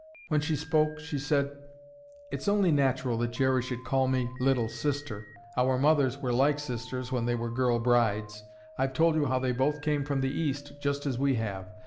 When she spoke, she said, "It's only natural that Jerry should call me 'Little Sister.' Our mothers were like sisters when they were girl brides. I've told you how they both came from the East just as we have.